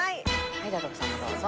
はいじゃあ徳さんもどうぞ。